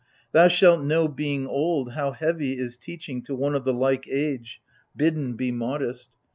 Thou shalt know, being old, how heavy is teaching To one of the like age— bidden be modest